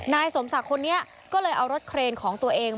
นายสมศักดิ์คนนี้ก็เลยเอารถเครนของตัวเอง